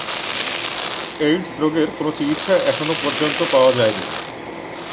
AIDS রোগের কোন চিকিৎসা এখনো পর্যন্ত পাওয়া যায়নি।